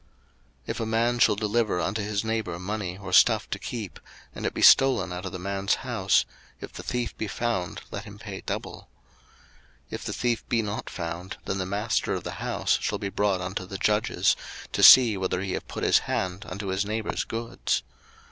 02:022:007 If a man shall deliver unto his neighbour money or stuff to keep, and it be stolen out of the man's house; if the thief be found, let him pay double. 02:022:008 If the thief be not found, then the master of the house shall be brought unto the judges, to see whether he have put his hand unto his neighbour's goods.